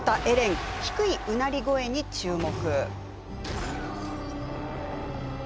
この低いうなり声に注目。